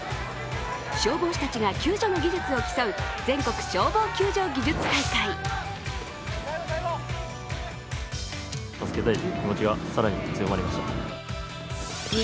消防士たちが救助の技術を競う全国消防救助技術大会。えっ！！